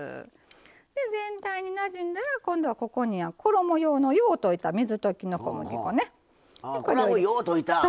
全体になじんだら今度は、ここに衣用のよう溶いた小麦粉ね。